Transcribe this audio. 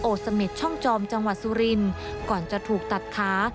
เสม็ดช่องจอมจังหวัดสุรินทร์ก่อนจะถูกตัดขา